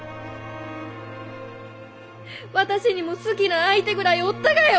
私にも好きな相手ぐらいおったがよ！